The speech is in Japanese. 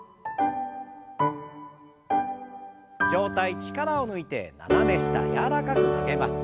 上体力を抜いて斜め下柔らかく曲げます。